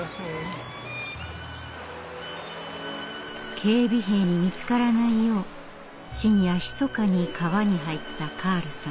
警備兵に見つからないよう深夜ひそかに川に入ったカールさん。